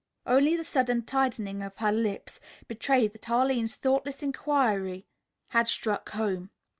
Only the sudden tightening of her lips betrayed that Arline's thoughtless inquiry had struck home.